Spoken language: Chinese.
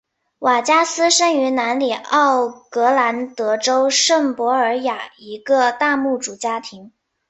瓦加斯生于南里奥格兰德州圣博尔雅一个大牧主家庭。